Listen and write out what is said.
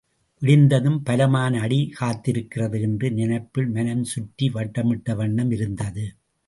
விடிந்ததும் பலமான அடி காத்திருக்கிறது என்ற நினைப்பில் மனம் சுற்றி வட்டமிட்ட வண்ணம் இருந்தது.